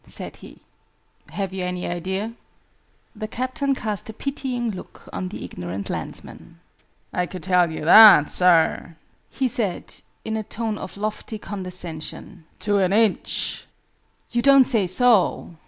said he, "Have you any idea?" The Captain cast a pitying look on the ignorant landsman. "I could tell you that, sir," he said, in a tone of lofty condescension, "to an inch!" "You don't say so!"